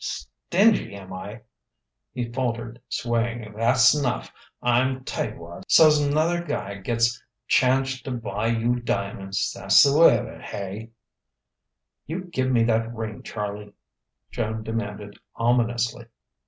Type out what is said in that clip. "Stingy, am I?" He faltered swaying. "Tha'snough. I'm tightwad, so s'nother guy gets chansh to buy you diamonds. Tha's way of it, hey?" "You give me that ring, Charlie," Joan demanded ominously.